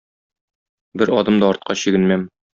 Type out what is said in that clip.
Бер адым да артка чигенмәм.